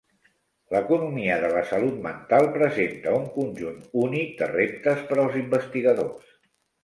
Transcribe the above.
L'economia de la salut mental presenta un conjunt únic de reptes per als investigadors.